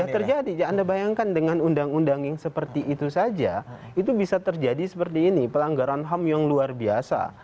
ya terjadi anda bayangkan dengan undang undang yang seperti itu saja itu bisa terjadi seperti ini pelanggaran ham yang luar biasa